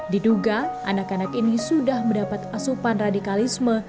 diduga anak anak ini sudah mendapat asupan radikalisme